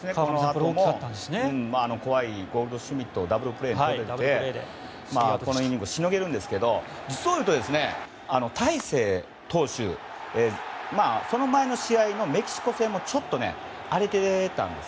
そして、怖いゴールドシュミットをダブルプレーにしてこのイニングをしのげるんですけど実をいうと、大勢投手その前の試合のメキシコ戦でもちょっと荒れていたんです。